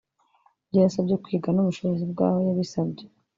ibyo yasabye kwiga n’ubushobozi bw’aho yabisabye